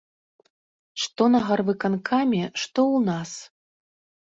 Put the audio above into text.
Што на гарвыканкаме, што ў нас.